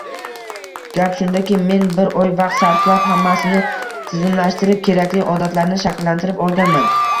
Gap shundaki, men bir oy vaqt sarflab hammasini tizimlashtirib, kerakli odatlarni shakllantirib olganman.